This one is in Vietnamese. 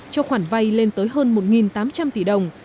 cho khoản vay lên tới hơn một tám trăm linh tỷ đồng